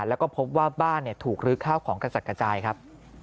แล้วก็พบว่าบ้านเนี่ยถูกลึกข้าวของกษัตริย์กระจายครับ